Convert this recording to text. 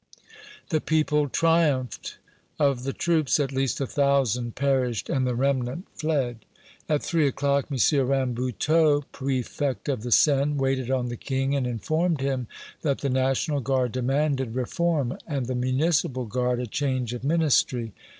The people triumphed! Of the troops, at least a thousand perished, and the remnant fled. At three o'clock M. Rambuteau, Préfect of the Seine, waited on the King and informed him that the National Guard demanded reform, and the Municipal Guard a change of Ministry.